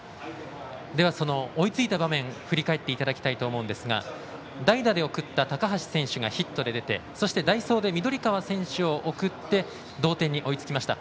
では、追いついた場面振り返っていただきたいと思うんですが代打で送った高橋選手がヒットで出てそして代走で緑川選手を送って同点に追いつきました。